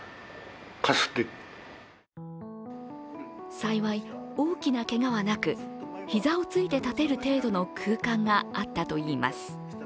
幸い、大きなけがはなく膝をついて立てる程度の空間があったといいます。